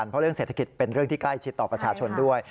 เพราะเรื่องเศรษฐกิจเป็นเรื่องที่ใกล้ชิดต่อประชาชนด้วย